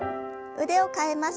腕を替えます。